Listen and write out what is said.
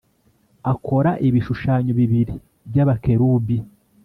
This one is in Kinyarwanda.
Akora ibishushanyo bibiri by Abakerubi